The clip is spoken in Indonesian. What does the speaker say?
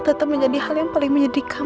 tetap menjadi hal yang paling menyedihkan